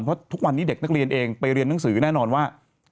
เพราะทุกวันนี้เด็กนักเรียนเองไปเรียนหนังสือแน่นอนว่า